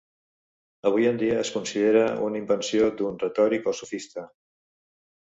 Avui en dia es considera una invenció d'un retòric o sofista.